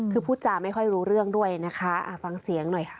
คือพูดจาไม่ค่อยรู้เรื่องด้วยนะคะฟังเสียงหน่อยค่ะ